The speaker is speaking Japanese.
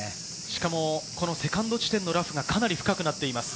しかもセカンド地点のラフがかなり深くなっています。